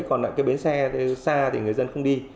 còn lại cái bến xe xa thì người dân không đi